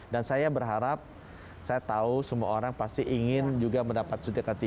dan saya berharap saya tahu semua orang pasti ingin juga mendapatkan suntik k tiga